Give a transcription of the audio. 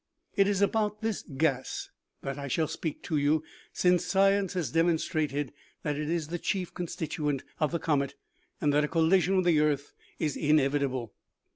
It is about this gas that I shall speak to you, since science has demon strated that it is the chief constituent of the comet, and that a collision with the earth is inevitable.